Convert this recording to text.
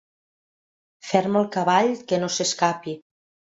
Ferma el cavall, que no s'escapi.